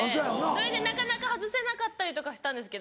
それでなかなか外せなかったりとかしたんですけど。